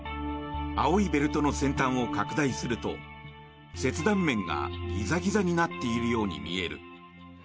青いベルトの先端を拡大すると切断面がギザギザになっているように見える。